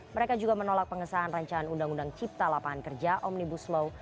mereka juga menolak pengesahan rancangan undang undang cipta lapangan kerja omnibus law